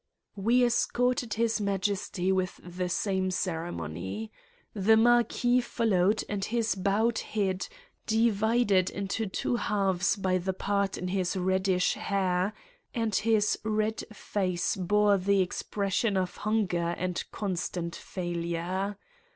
We escorted His Majesty with the same cere mony. The Marquis followed and his bowed head, divided into two halves by the part in his reddish hair, and his red face bore the expression of hun ger and constant failure.